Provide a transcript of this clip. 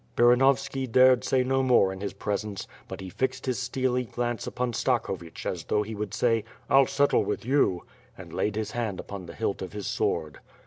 Baranovski dared say no more in his presence, but he fixed his steely glance upon Stakhovich as though he would say: "I'll settle with you," and laid his hand upon the hilt of his sword.